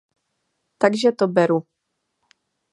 Takže to beru.